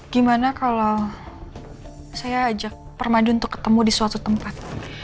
gimana kalau saya ajak permadi untuk ketemu di suatu tempat